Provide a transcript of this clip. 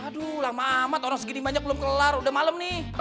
aduh lama amat orang segini banyak belum kelar udah malam nih